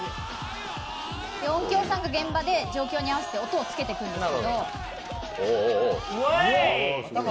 音響さんが現場で状況に合わせて音をつけていくんです。